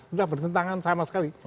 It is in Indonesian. sudah bertentangan sama sekali